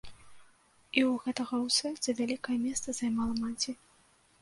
І ў гэтага ў сэрцы вялікае месца займала маці.